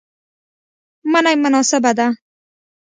منی مناسبه ده